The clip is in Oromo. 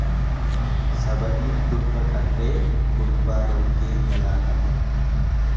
Sababiin durba qarree, gurbaa roggee galaafate.